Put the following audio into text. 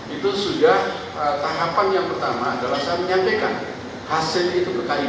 itu sudah tahapan yang pertama adalah saya menyampaikan hasil itu berkaitan